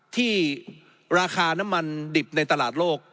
ที่ราคาน้ำมันดิบในตลาดโลก